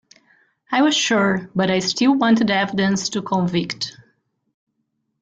I was sure, but I still wanted evidence to convict.